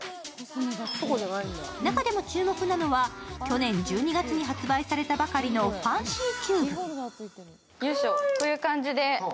中でも注目なのは去年１２月に発売されたばかりのファンシーキューブ。